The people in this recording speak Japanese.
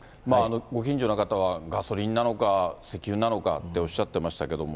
ご近所の方は、ガソリンなのか、石油なのかっておっしゃってましたけども。